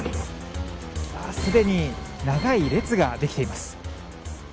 すでに長い列ができています。